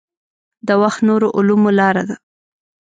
د وخت نورو علومو لاره.